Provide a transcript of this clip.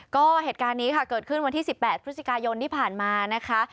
ก็เหตุการณ์นี้ค่ะเกิดขึ้นวันที่๑๘พฤศจิกายนที่ผ่านมานะคะ